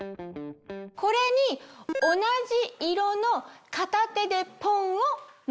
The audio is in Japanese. これに同じ色の片手でポン‼を乗せてみます。